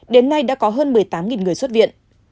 đến nay đã có hơn một mươi tám người xuất viện